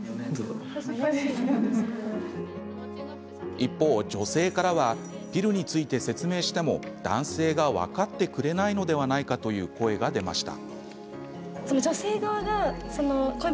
一方、女性からはピルについて説明しても男性が分かってくれないのではないかという声が出ました。